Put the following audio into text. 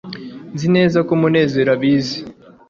nzi neza ko munezero abizi